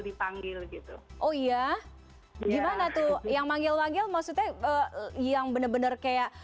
dipanggil gitu oh iya gimana tuh yang manggil manggil maksudnya yang bener bener kayak